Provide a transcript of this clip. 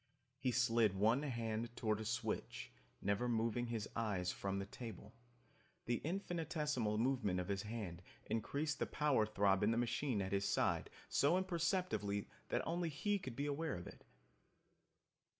He slid one hand toward a switch, never moving his eyes from the table. The infinitesimal movement of his hand increased the power throb in the machine at his side so imperceptibly that only he could be aware of it.